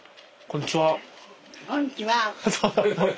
こんにちは。